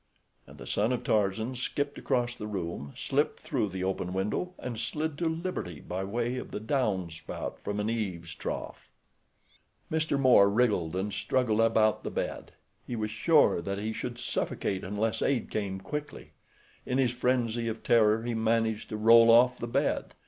And the son of Tarzan skipped across the room, slipped through the open window, and slid to liberty by way of the down spout from an eaves trough. Mr. Moore wriggled and struggled about the bed. He was sure that he should suffocate unless aid came quickly. In his frenzy of terror he managed to roll off the bed.